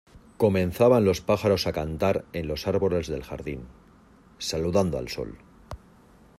comenzaban los pájaros a cantar en los árboles del jardín, saludando al sol